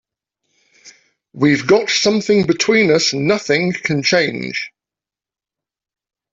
We've got something between us nothing can change.